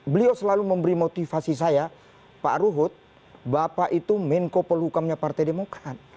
beliau selalu memberi motivasi saya pak arhut bapak itu main couple hukumnya partai demokrat